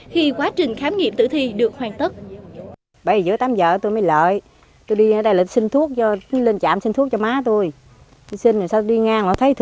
thì quá trình khám nghiệm tử thi được hoàn tất